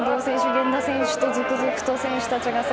源田選手と続々と選手たちです。